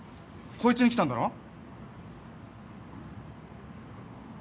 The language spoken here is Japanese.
こいつに来たんだろ？